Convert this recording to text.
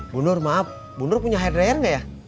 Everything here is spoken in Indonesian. bunur maaf bunur punya hair dryer gak ya